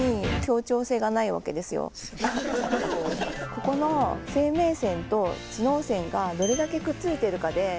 ここの生命線と知能線がどれだけくっついてるかで。